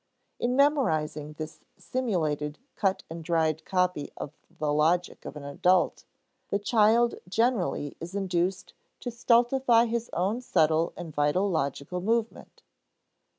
In memorizing this simulated cut and dried copy of the logic of an adult, the child generally is induced to stultify his own subtle and vital logical movement.